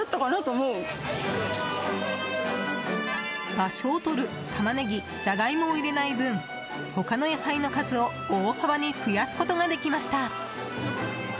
場所を取るタマネギジャガイモを入れない分他の野菜の数を大幅に増やすことができました。